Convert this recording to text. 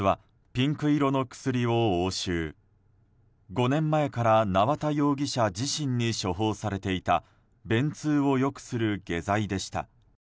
５年前から縄田容疑者自身に処方されていた便通を良くする下剤でした。